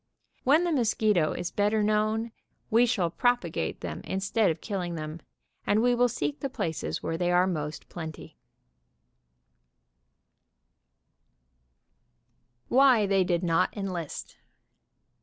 When the mosquito is better known we shall propagate them instead of killing them, and we will seek the places where they are most plenty. WHY THEY DID NOT ENLIST 131 WHY THEY DID NOT ENLIST.